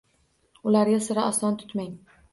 Ularga sira oson tutmang.